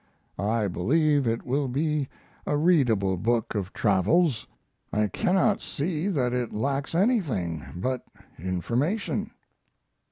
I believe it will be a readable book of travels. I cannot see that it lacks anything but information.